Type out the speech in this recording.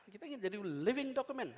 kita ingin jadi living document